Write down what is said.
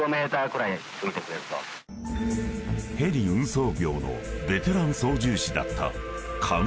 ［ヘリ運送業のベテラン操縦士だった］